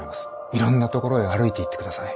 いろんなところへ歩いていってください。